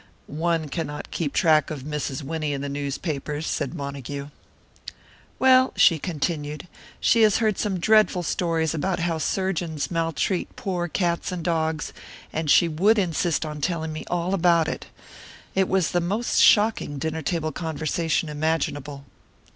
"One cannot keep track of Mrs. Winnie in the newspapers," said Montague. "Well," she continued, "she has heard some dreadful stories about how surgeons maltreat poor cats and dogs, and she would insist on telling me all about it. It was the most shocking dinner table conversation imaginable."